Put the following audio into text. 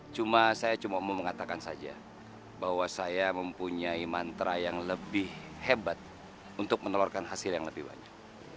cuma saya cuma mau mengatakan saja bahwa saya mempunyai mantra yang lebih hebat untuk menelurkan hasil yang lebih banyak